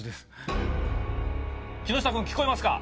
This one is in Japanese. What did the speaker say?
木下君聞こえますか？